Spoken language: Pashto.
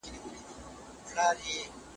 فتح خان د خپل ټبر د مشر په توګه واک ترلاسه کړ.